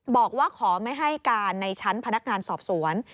บอกว่าขอไม่ให้การในชั้นพนักงานสอบสวน